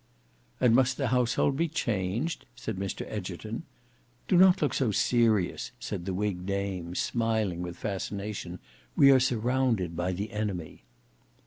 "And must the household be changed?" said Mr Egerton. "Do not look so serious," said the whig dame smiling with fascination; "we are surrounded by the enemy."